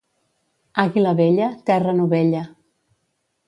Àguila vella, terra novella.